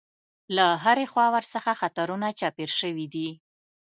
له هرې خوا ورڅخه خطرونه چاپېر شوي دي.